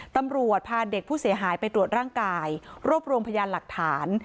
ตำรวจพาเด็กผู้เสียหายไปตรวจร่างกายรวบรวมพยานหลักฐาน